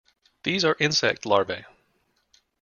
These are insect Larvae.